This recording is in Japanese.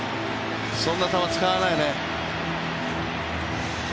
そんな球、使わないね。